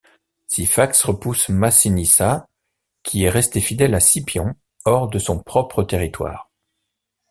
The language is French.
Syphax repousse Massinissa, qui est resté fidèle à Scipion, hors de son propre territoire.